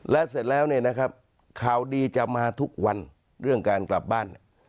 และเสร็จแล้วข่าวดีจะมาทุกวันเรื่องการกลับบ้าน